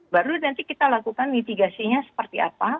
baru nanti kita lakukan mitigasinya seperti apa